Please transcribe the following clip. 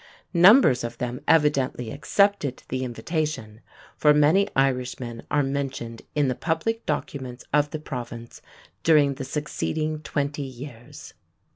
Numbers of them evidently accepted the invitation, for many Irishmen are mentioned in the public documents of the Province during the succeeding twenty years.